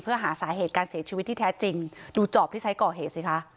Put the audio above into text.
เพื่อหาสาเหตุการเสียชีวิตที่แท้จริงดูจอบที่ใช้ก่อเหตุสิคะ